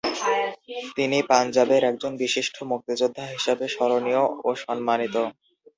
তিনি পাঞ্জাবের একজন বিশিষ্ট মুক্তিযোদ্ধা হিসাবে স্মরণীয় ও সম্মানিত।